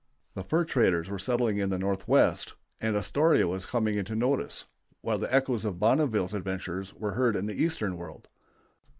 The fur traders were settling in the Northwest, and Astoria was coming into notice, while the echoes of Bonneville's adventures were heard in the Eastern world.